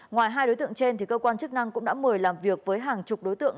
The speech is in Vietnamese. ngoài hai đối tượng trên cơ quan chức năng cũng đã mời làm việc với hàng chục đối tượng